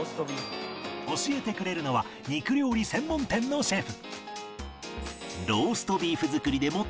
教えてくれるのは肉料理専門店のシェフ